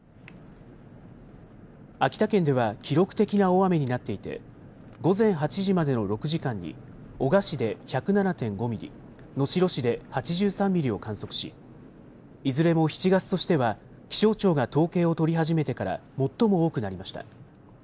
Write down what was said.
秋田県では記録的な大雨になっていて午前８時までの６時間に男鹿市で１０７．５ミリ、能代市で８３ミリを観測しいずれも７月としては気象庁が統計を取り始めてから最も多くなりました。